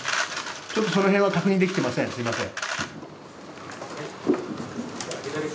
ちょっとそのへんは確認できてません、すみません。